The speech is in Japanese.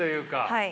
はい。